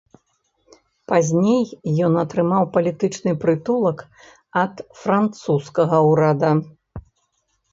Пазней ён атрымаў палітычны прытулак ад французскага ўрада.